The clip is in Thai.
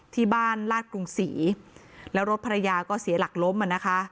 ที่บ้านลาดกรุงศรีแล้วรถภรรยาก็เสียหลักล้มอ่ะนะคะ